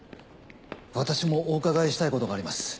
私もお伺いしたいことがあります。